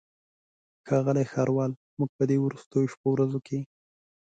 ښاغلی ښاروال موږ په دې وروستیو شپو ورځو کې.